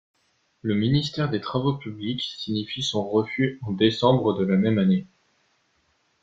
Le ministère des Travaux publics signifie son refus en décembre de la même année.